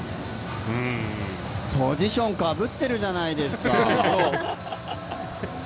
ポジション、かぶってるじゃないですか。